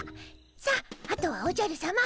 さああとはおじゃるさま。